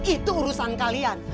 itu urusan kalian